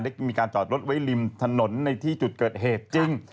มีการจอดรถไว้ริมถนนในที่จุดเกิดเหตุจริง